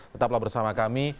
tetaplah bersama kami